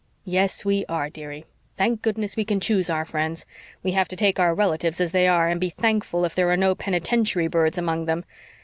"Yes, we are, dearie. Thank goodness, we can choose our friends. We have to take our relatives as they are, and be thankful if there are no penitentiary birds among them.